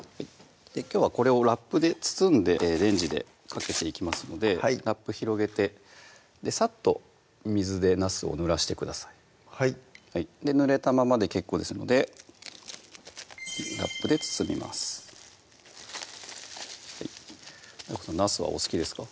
きょうはこれをラップで包んでレンジでかけていきますのでラップ広げてさっと水でなすをぬらしてくださいはいぬれたままで結構ですのでラップで包みますＤＡＩＧＯさんなすはお好きですか？